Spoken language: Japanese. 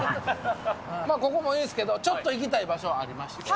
ここもいいんすけど、ちょっと行きたい場所ありまして。